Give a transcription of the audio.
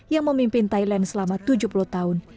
yang memimpin thailand selama tujuh puluh tahun